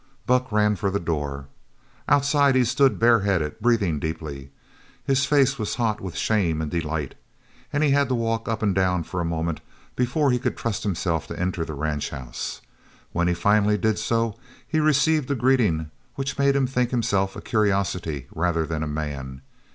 Buck ran for the door. Outside he stood bareheaded, breathing deeply. His face was hot with shame and delight, and he had to walk up and down for a moment before he could trust himself to enter the ranch house. When he finally did so he received a greeting which made him think himself a curiosity rather than a man.